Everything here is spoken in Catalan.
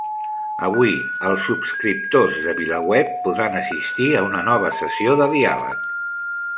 Avui els subscriptors de VilaWeb podran assistir a una nova sessió de diàleg